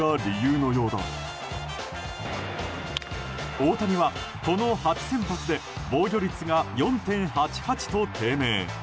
大谷は、この８先発で防御率が４．８８と低迷。